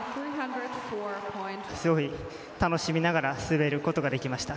すごく楽しみながら滑ることができました。